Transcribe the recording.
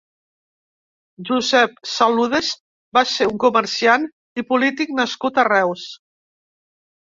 Josep Saludes va ser un comerciant i polític nascut a Reus.